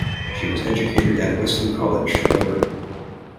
She was educated at Wesley College, Melbourne.